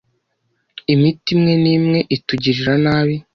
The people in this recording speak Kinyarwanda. Imiti imwe nimwe itugirira nabi.